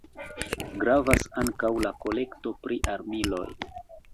Gravas ankaŭ la kolekto pri armiloj.